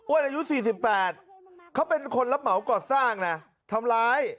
อ้วนอายุสี่สิบแปดเขาเป็นคนรับเหมาก่อสร้างน่ะทำร้าย